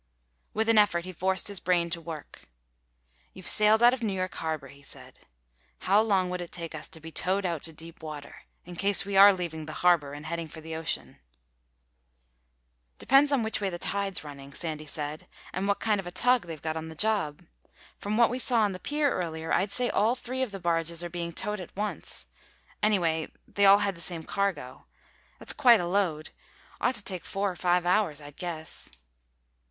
With an effort he forced his brain to work. "You've sailed out of New York Harbor," he said. "How long would it take us to be towed out to deep water—in case we are leaving the harbor and heading for the ocean." "Depends on which way the tide's running," Sandy said, "and what kind of a tug they've got on the job. From what we saw on the pier earlier, I'd say all three of the barges are being towed at once—anyway, they all had the same cargo. That's quite a load. Ought to take four or five hours, I'd guess."